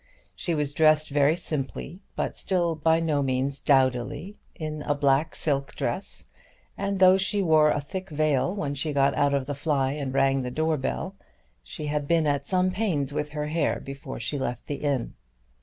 She was dressed very simply, but still by no means dowdily, in a black silk dress, and though she wore a thick veil when she got out of the fly and rang the door bell, she had been at some pains with her hair before she left the inn.